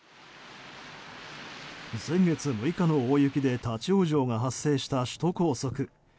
先月６日の大雪で立ち往生が発生した首都高速。